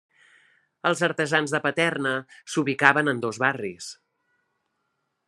Els artesans de Paterna s'ubicaven en dos barris.